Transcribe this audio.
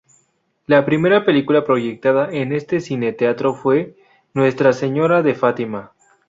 La primera película proyectada en este cine-teatro fue "Nuestra Señora de Fátima".